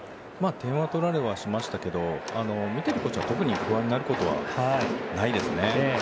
点は取られはしましたけど見ているこっちは特に不安になることはないですね。